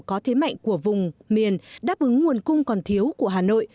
có thế mạnh của vùng miền đáp ứng nguồn cung còn thiếu của hà nội